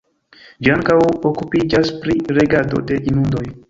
Ĝi ankaŭ okupiĝas pri regado de inundoj.